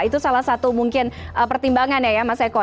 itu salah satu mungkin pertimbangan ya mas eko